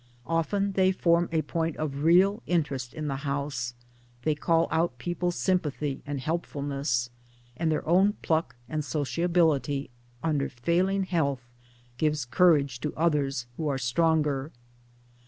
Often they form a point of real interest in the house, they call out people's sympathy and helpfulness, and their own pluck and sociability under failing health gives courage to others who are stronger.